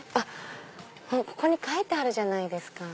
ここに書いてあるじゃないですか。